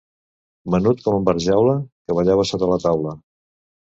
Menut com en Barjaula, que ballava sota la taula.